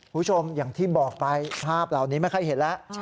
คุณผู้ชมอย่างที่บอกไปภาพเหล่านี้ไม่ค่อยเห็นแล้ว